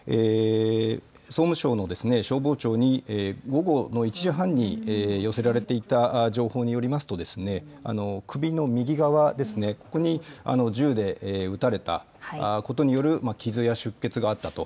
総務省の消防庁に、午後の１時半に寄せられていた情報によりますと、首の右側ですね、ここに銃で撃たれたことによる傷や出血があったと。